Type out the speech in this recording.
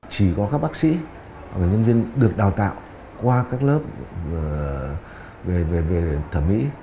chỉ có các bác sĩ hoặc là nhân viên được đào tạo qua các lớp về thẩm mỹ